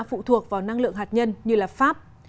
phụ thuộc vào năng lượng hạt nhân như pháp